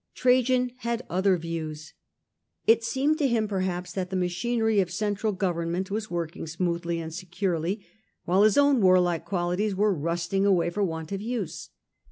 Trajan had other views. It seemed to him perhaps that the machinery unlike of central government was working smoothly earlier ^ and securely, while his own warlike qualities policy was were rusting away foi want of use.